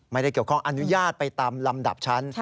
ไม่ได้เกี่ยวข้องอนุญาตไปตามลำดับชั้น